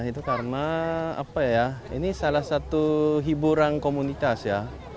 itu karena apa ya ini salah satu hiburan komunitas ya